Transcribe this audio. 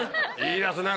いいですね